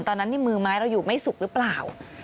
ตอนนั้นนี่มือไม้เราอยู่ไม่สุกหรือเปล่า